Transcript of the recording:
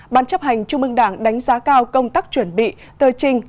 ban chấp hành trung ương đảng đánh giá cao công tác chuẩn bị tờ trình